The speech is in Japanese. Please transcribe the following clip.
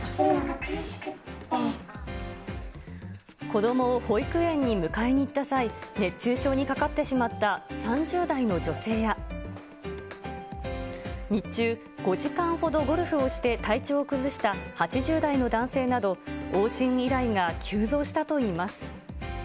子どもを保育園に迎えに行った際、熱中症にかかってしまった３０代の女性や、日中、５時間ほどゴルフをして体調を崩した８０代の男性など、往診依頼が急増したといいます。